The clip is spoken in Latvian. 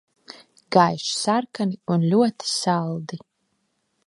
Gaiši sarkani un ļoti saldi.